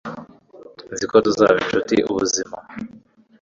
nzi ko tuzaba inshuti ubuzima